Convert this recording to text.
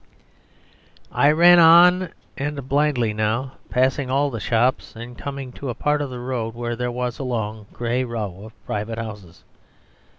"I ran on and on blindly now, passing all the shops and coming to a part of the road where there was a long grey row of private houses.